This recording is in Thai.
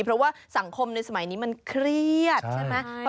เพราะว่าสังคมในสมัยนี้มันเครียดใช่ไหม